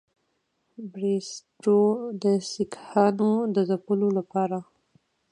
بریسټو د سیکهانو د ځپلو لپاره.